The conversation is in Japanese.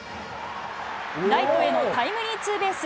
ライトへのタイムリーツーベース。